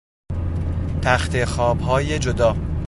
تختخوابهای جدا